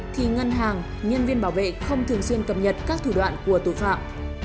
thì ngân hàng nhân viên bảo vệ không thường xuyên cập nhật các thủ đoạn của tội phạm